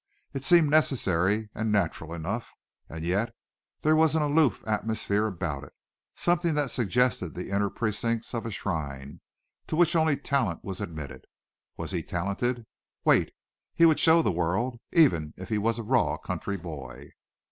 It seemed necessary and natural enough, and yet there was an aloof atmosphere about it, something that suggested the inner precincts of a shrine, to which only talent was admitted. Was he talented? Wait! He would show the world, even if he was a raw country boy.